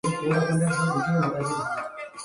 Those plans have seem to have fallen through.